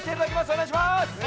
おねがいします！